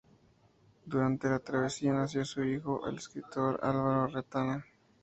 Durante la travesía nació su hijo, el escritor Álvaro Retana.